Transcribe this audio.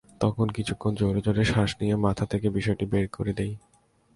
তখন কিছুক্ষণ জোরে জোরে শ্বাস নিয়ে মাথা থেকে বিষয়টা বের করে দিই।